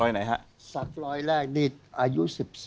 รอยหน่อยฮะสักรอยแรกอายุ๑๔